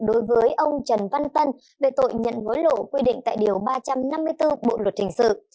đối với ông trần văn tân về tội nhận hối lộ quy định tại điều ba trăm năm mươi bốn bộ luật hình sự